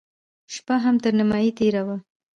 شپه هم تر نيمايي تېره وه.